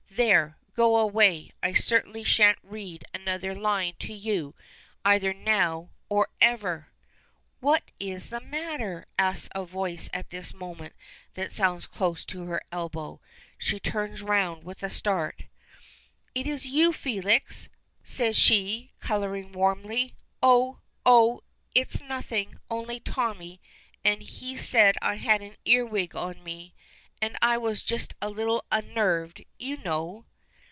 There, go away! I certainly shan't read another line to you either now or ever!" "What is the matter?" asks a voice at this moment, that sounds close to her elbow. She turns round with a start. "It is you, Felix!" says she, coloring warmly. "Oh oh, it's nothing. Only Tommy. And he said I had an earwig on me. And I was just a little unnerved, you know."